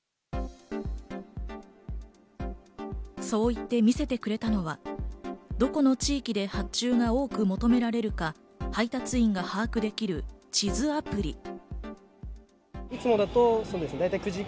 そう言って見せてくれたのはどこの地域で発注が多く求められるか配達員が把握できる地図アプリ。